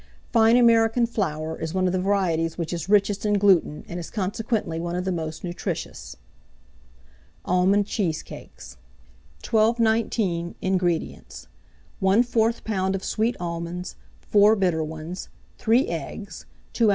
Fine American flour is one of the varieties which is richest in gluten, and is consequently one of the most nutritious. ALMOND CHEESECAKES. 1219. INGREDIENTS. 1/4 lb. of sweet almonds, 4 bitter ones, 3 eggs, 2 oz.